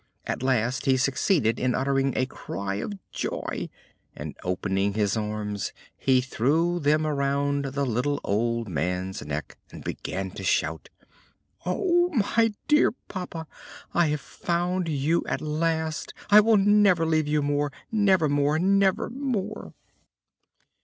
At last he succeeded in uttering a cry of joy, and, opening his arms, he threw them around the little old man's neck, and began to shout: "Oh, my dear papa! I have found you at last! I will never leave you more, never more, never more!"